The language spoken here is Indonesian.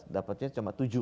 dapatnya cuma tujuh